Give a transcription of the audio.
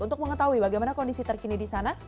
untuk mengetahui bagaimana kondisi terkini di sana